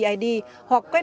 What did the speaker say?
hoặc là tài khoản vned